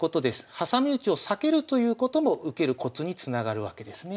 はさみうちを避けるということも受けるコツにつながるわけですね。